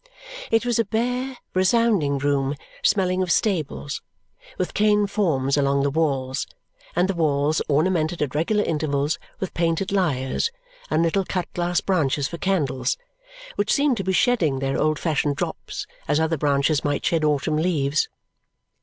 It was a bare, resounding room smelling of stables, with cane forms along the walls, and the walls ornamented at regular intervals with painted lyres and little cut glass branches for candles, which seemed to be shedding their old fashioned drops as other branches might shed autumn leaves.